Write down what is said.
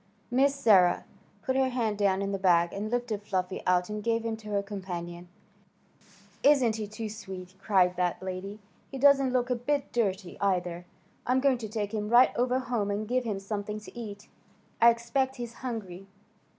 Miss Sarah put her hand down in the bag, and lifted Fluffy out and gave him to her companion. "Isn't he too sweet?" cried that lady. "He doesn't look a bit dirty, either. I'm going to take him right over home and give him something to eat. I expect he's hungry."